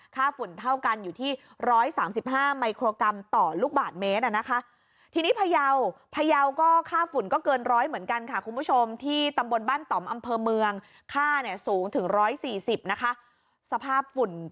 ค่าฝุ่นเท่ากันอยู่ที่๑๓๕มิโครกรัมต่อลูกบาทเมตร